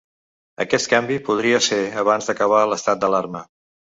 Aquest canvi podria ser abans d’acabar l’estat d’alarma.